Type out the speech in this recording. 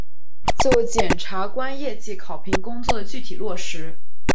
就检察官业绩考评工作的具体落实